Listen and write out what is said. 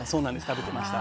食べてました。